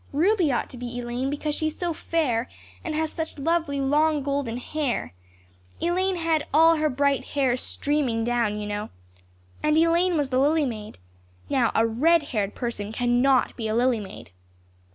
Ruby ought to be Elaine because she is so fair and has such lovely long golden hair Elaine had 'all her bright hair streaming down,' you know. And Elaine was the lily maid. Now, a red haired person cannot be a lily maid."